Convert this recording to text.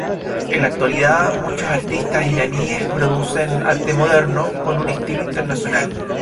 En la actualidad muchos artistas iraníes producen arte moderno con un estilo internacional.